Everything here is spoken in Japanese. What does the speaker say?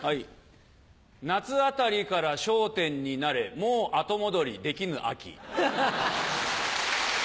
夏あたりから『笑点』に慣れもう後戻りできぬ秋。